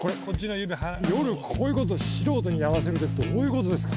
夜こういうこと素人にやらせるってどういうことですか。